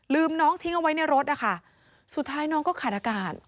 น้องทิ้งเอาไว้ในรถนะคะสุดท้ายน้องก็ขาดอากาศ